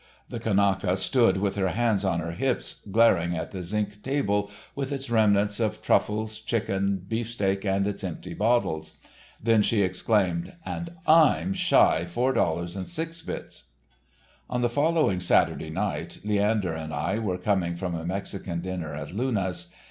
The Kanaka stood with her hands on her hips glaring at the zinc table with its remnants of truffle, chicken and beefsteak and its empty bottles. Then she exclaimed, "And I'm shy four dollars and six bits." On the following Saturday night Leander and I were coming from a Mexican dinner at Luna's.